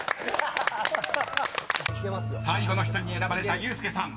［最後の１人に選ばれたユースケさん